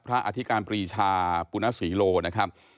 อธิการปรีชาปุณศรีโลนะครับ